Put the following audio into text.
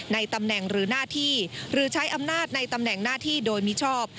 ในตำแหน่งหรือหน้าที่หรือใช้อำนาจในตำแหน่งหน้าที่โดยมิชอบ